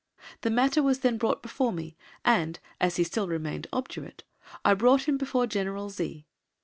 The matter was then brought before me, and, as he still remained obdurate, I brought him before General Z.